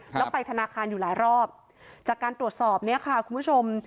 แล้วไปธนาคารอยู่หลายรอบจากการตรวจสอบเนี่ยค่ะคุณผู้ชม